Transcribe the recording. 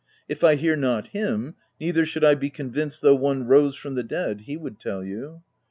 If I hear not him, neither should I be convinced though one rose from the dead, he would tell you.